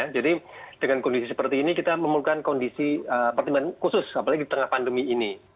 jadi dengan kondisi seperti ini kita membutuhkan kondisi pertimbangan khusus apalagi di tengah pandemi ini